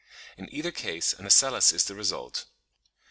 In either case an ocellus is the result.